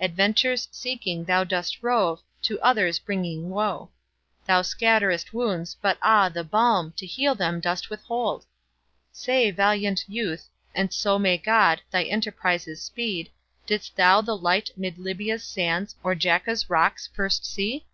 Adventures seeking thou dost rove, To others bringing woe; Thou scatterest wounds, but, ah, the balm To heal them dost withhold! Say, valiant youth, and so may God Thy enterprises speed, Didst thou the light mid Libya's sands Or Jaca's rocks first see?